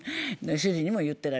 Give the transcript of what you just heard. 主人にも言ってない。